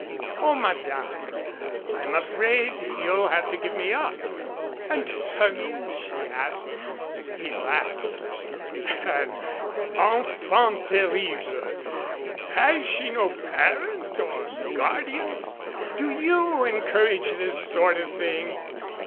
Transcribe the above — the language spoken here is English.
O Madame ! I'm afraid you'll have to give me up." "And Hermia?" she asked. He laughed. "An enfant terrible! Has she no parent or guard ians? Do you encourage this sort of thing?"